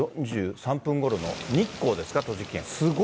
４３分ごろの日光ですか、栃木県。